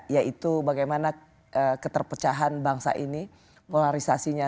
yaitu bagaimana keterpecahan bangsa ini polarisasinya